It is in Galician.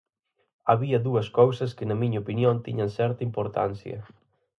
Había dúas cousas que na miña opinión tiñan certa importancia.